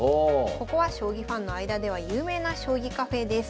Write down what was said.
ここは将棋ファンの間では有名な将棋カフェです。